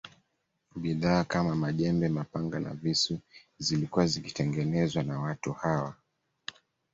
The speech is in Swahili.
Bidhaa kama majembe mapanga na visu zilikuwa zikitengenezwa na watu hawa